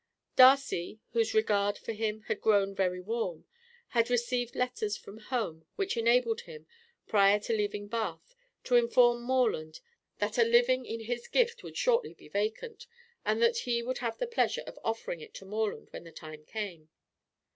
Darcy, whose regard for him had grown very warm, had received letters from home which enabled him, prior to leaving Bath, to inform Morland that a living in his gift would shortly be vacant, and that he would have the pleasure in offering it to Morland when the time came.